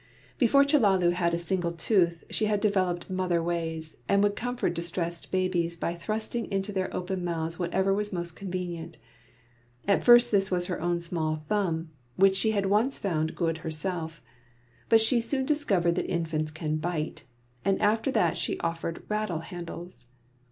Before Chellalu had a single tooth she had developed mother ways, and would comfort distressed babies by thrusting into their open mouths whatever was most convenient. At first this was her own small thumb, which she had once found good herself; but she soon discovered that infants can bite, and after that she offered rattle handles.